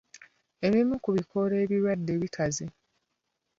Ebimu ku bikoola ebirwadde bikaze.